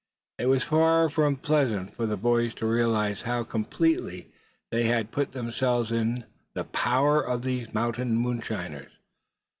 It was far from pleasant for the boys to realize how completely they had put themselves in the power of these mountain moonshiners.